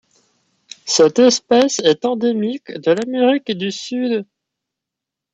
Cette espèce est endémique de l'Amérique du Sud.